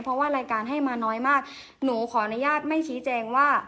เพราะว่ารายการให้มาน้อยมากหนูขออนุญาตไม่ชี้แจงว่า